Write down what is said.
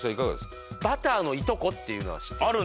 バターのいとこっていうのは知ってる。